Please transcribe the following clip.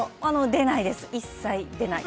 出ないです、一切出ない。